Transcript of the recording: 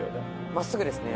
真っすぐですね。